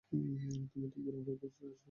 তুমি তো বুড়া হয়ে গেছো, আসো।